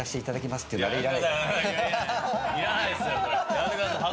やめてください。